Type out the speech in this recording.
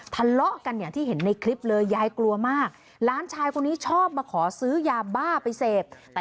ทะเลาะกันอย่างที่เห็นในคลิปเลยยายกลัวมากหลานชายคนนี้ชอบมาขอซื้อยาบ้าไปเสพแต่